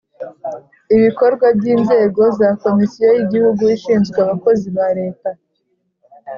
ibikorwa by inzego za komisiyo y igihugu ishinzwe abakozi ba leta